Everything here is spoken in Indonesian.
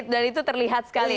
dan itu terlihat sekali ya